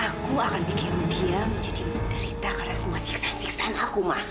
aku akan bikin dia menjadi menderita karena semua siksaan siksaan aku ma